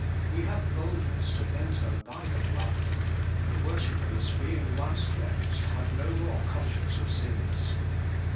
We have boldness to enter by the blood. 'The worshippers, being once cleansed, have no more conscience of sins.'